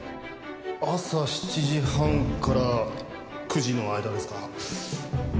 朝７時半から９時の間ですか？